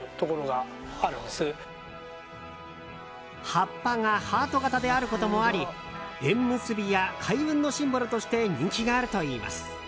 葉っぱがハート形であることもあり縁結びや開運のシンボルとして人気があるといいます。